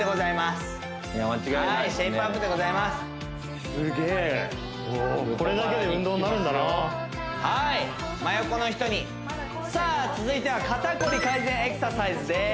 すげえこれだけで運動になるんだなはい真横の人にさあ続いては肩コリ改善エクササイズです